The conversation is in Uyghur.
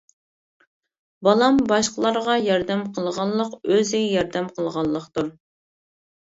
بالام، باشقىلارغا ياردەم قىلغانلىق ئۆزىگە ياردەم قىلغانلىقتۇر.